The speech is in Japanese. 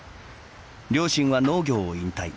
両親は農業を引退。